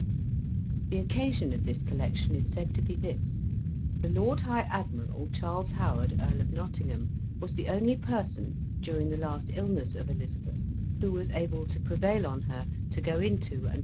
The occasion of this collection is said to be this: "The Lord High Admiral, Charles Howard, Earl of Nottingham, was the only person, during the last illness of Elizabeth, who was able to prevail on her to go into and 35 Introduction.